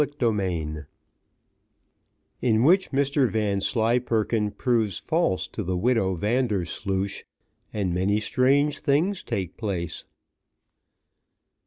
Chapter XX In which Mr Vanslyperken proves false to the Widow Vandersloosh, and many strange things take place.